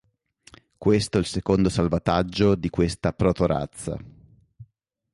Questo è il secondo salvataggio di questa proto-razza.